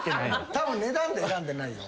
たぶん値段で選んでないよ。